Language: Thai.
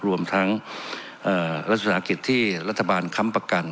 รวมทั้งรัฐนากิจที่รัฐบาลค้ำประกัน